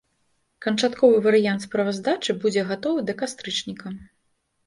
Канчатковы варыянт справаздачы будзе гатовы да кастрычніка.